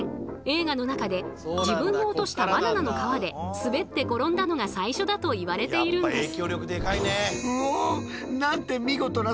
映画の中で自分の落としたバナナの皮で滑って転んだのが最初だといわれているんです。